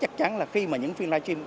chắc chắn là khi mà những phiên live stream